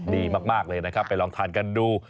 ดีมากเลยนะครับไปลองทานกันดู